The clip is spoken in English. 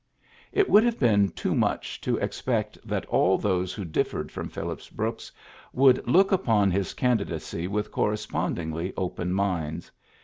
'^ It would have been too much to expect that all those who differed from Phillips Brooks would look upon his candidacy with correspondingly open minds.